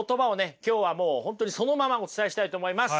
今日はもう本当にそのままお伝えしたいと思います！